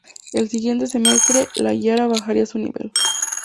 El siguiente semestre, La Guaira bajaría su nivel.